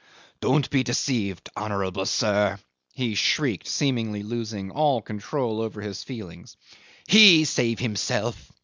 "Don't be deceived, honourable sir!" he shrieked, seemingly losing all control over his feelings. "He save himself!